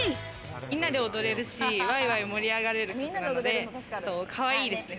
みんなで踊れるし、わいわい盛り上がれる曲なので、かわいいですね。